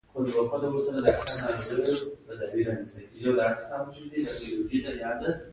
شوله د وریجو نرم ډول دی.